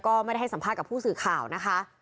ก็ไม่ได้ให้สัมภาษณ์กับผู้สื่อข่าวนะคะ